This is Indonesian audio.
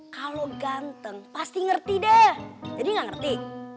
kalau ganteng pasti ngerti deh jadi gak ngerti